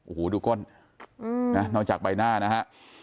โอ้โหดูก้นนอกจากใบหน้านะฮะ